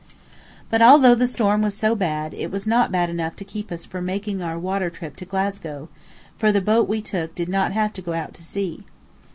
But although the storm was so bad, it was not bad enough to keep us from making our water trip to Glasgow, for the boat we took did not have to go out to sea.